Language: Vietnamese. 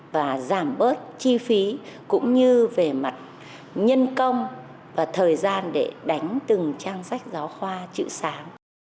và giảm bớt chi phí cũng như về mặt nhân công và thời gian để đánh từng trang sách giáo khoa chữ sáng